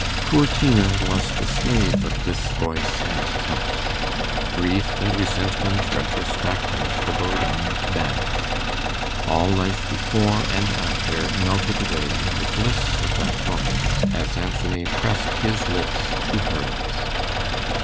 Poor Tina was the slave of this voice and touch. Grief and resentment, retrospect and foreboding, vanished all life before and after melted away in the bliss of that moment, as Anthony pressed his lips to hers.